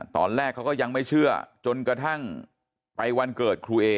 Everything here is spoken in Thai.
ตอนแรกเขาก็ยังไม่เชื่อจนกระทั่งไปวันเกิดครูเอ